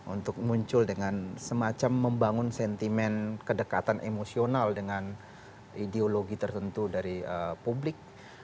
untuk muncul dengan semacam membangun sentimen kedekatan emosional dengan ideologi tertentu dari publik